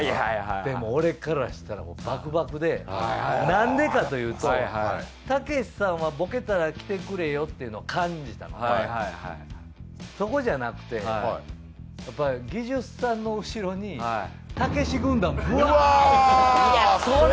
でもなんでかというとたけしさんはボケたら来てくれよっていうのを感じたのでそこじゃなくてやっぱり技術さんの後ろにたけし軍団ブワおるの。